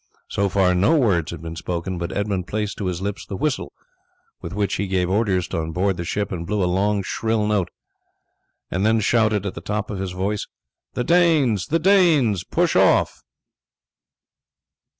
So far no words had been spoken, but Edmund placed to his lips the whistle with which he gave orders on board the ship and blew a long shrill note, and then shouted at the top of his voice: "The Danes! the Danes! push off!"